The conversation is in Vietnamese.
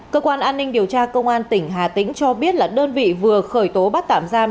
cơ quan an ninh điều tra công an tỉnh hà tĩnh cho biết là đơn vị vừa khởi tố bắt tạm giam